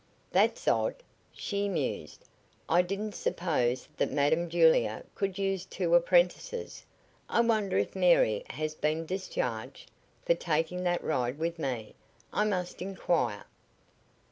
"That's odd," she mused. "I didn't suppose that Madam Julia could use two apprentices. I wonder if Mary has been discharged for taking that ride with me. I must inquire."